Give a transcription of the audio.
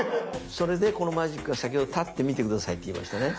それでこのマジックが先ほど「立って見て下さい」って言いましたね。